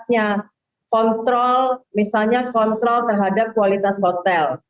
nah ini adalah sebatasnya kontrol misalnya kontrol terhadap kualitas hotel